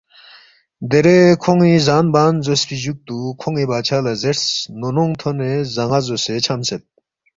دیرے کھون٘ی زان بان زوسفی جُوکتُو کھون٘ی بادشاہ لہ زیرس، ”نونونگ تھونے زان٘ا زوسے چھمسید